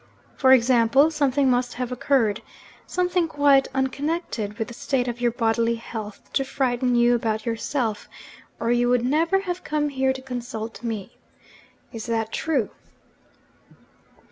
For example, something must have occurred something quite unconnected with the state of your bodily health to frighten you about yourself, or you would never have come here to consult me. Is that true?'